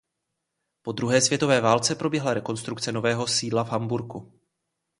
Po druhé světové válce proběhla rekonstrukce nového sídla v Hamburku.